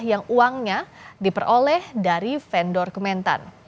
yang uangnya diperoleh dari vendor kementan